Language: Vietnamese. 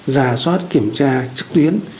giả soát kiểm tra trực tuyến